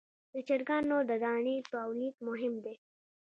د چرګانو د دانې تولید مهم دی